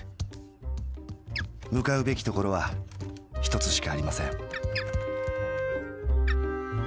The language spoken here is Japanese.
向かうべきところはひとつしかありません。